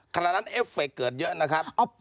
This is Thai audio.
ขณะนั้นเอฟเฟคเกิดเยอะนะครับ